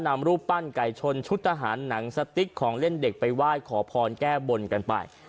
นำรูปปั้นไก่ชนชุดทหารหนังสติ๊กของเล่นเด็กไปไหว้ขอพรแก้บนกันไป